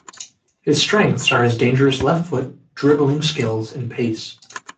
His strengths are his dangerous left-foot, dribbling skills and pace.